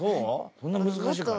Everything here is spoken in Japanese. そんな難しいかね？